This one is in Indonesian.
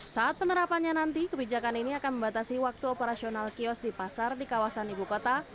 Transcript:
saat penerapannya nanti kebijakan ini akan membatasi waktu operasional kios di pasar di kawasan ibu kota